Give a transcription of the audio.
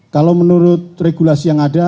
kalau menurut regulasi yang ada